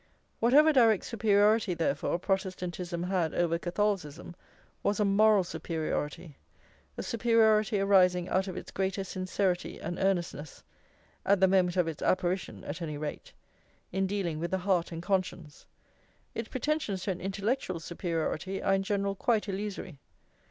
Whatever direct superiority, therefore, Protestantism had over Catholicism was a moral superiority, a superiority arising out of its greater sincerity and earnestness, at the moment of its apparition at any rate, in dealing with the heart and conscience; its pretensions to an intellectual superiority are in general quite illusory.